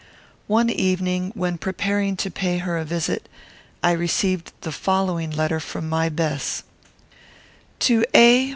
One evening, when preparing to pay her a visit, I received the following letter from my Bess: _To A.